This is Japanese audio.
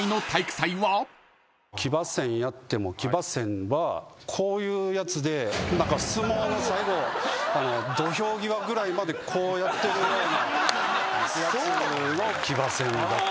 騎馬戦やっても騎馬戦はこういうやつで何か相撲の最後土俵際ぐらいまでこうやってるようなやつの騎馬戦だったんですね。